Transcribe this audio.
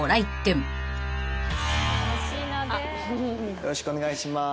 よろしくお願いします。